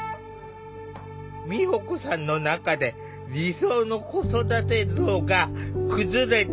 美保子さんの中で理想の子育て像が崩れていった。